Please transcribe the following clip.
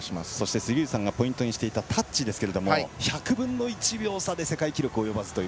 杉内さんがポイントにしていたタッチですけれども１００分の１秒差で世界記録及ばずという。